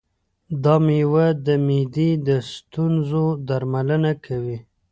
دا مېوه د معدې د ستونزو درملنه کوي.